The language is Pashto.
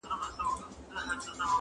نه يوه ورځ پاچهي سي اوږدېدلاى!!